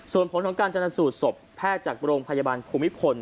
ส่วนผลของการจนสูตรศพแพทย์จากโรงพยาบาลภูมิพล